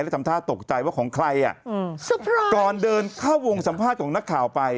และทำท่าตกใจว่าของใครอ่ะอืมก่อนเดินเข้าวงสัมภาษณ์ของนักข่าวไป